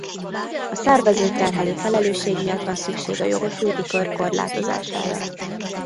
A szervezőt terhelő felelősség miatt van szükség a jogosulti kör korlátozására.